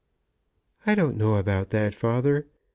"I don't know about that, father.